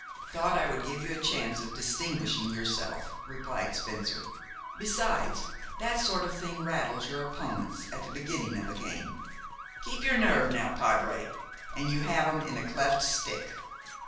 "Thought I would give you a chance of distinguishing yourself," replied Spencer. "Besides, that sort of thing rattles your opponents at the beginning of a game. Keep your nerve now, padre, and you have 'em in a cleft stick."